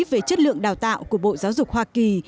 về chất lượng đào tạo của bộ giáo dục hoa kỳ